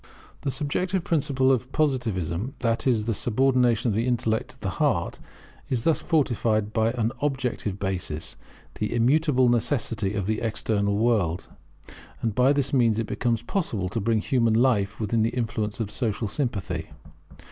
The subjective principle of Positivism, that is, the subordination of the intellect to the heart is thus fortified by an objective basis, the immutable Necessity of the external world; and by this means it becomes possible to bring human life within the influence of social sympathy.